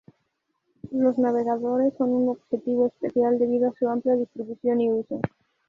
Los navegadores son un objetivo especial debido a su amplia distribución y uso.